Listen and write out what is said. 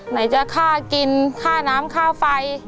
ไหนจะค่ากินค่าน้ำค่าไฟ